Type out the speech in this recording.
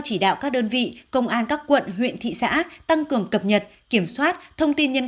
chỉ đạo các đơn vị công an các quận huyện thị xã tăng cường cập nhật kiểm soát thông tin nhân